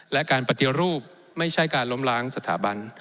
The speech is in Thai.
และการปฏิรูปไม่ใช่การล้มล้างสถาบัน